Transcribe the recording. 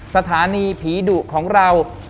สถานีผีดุของเรา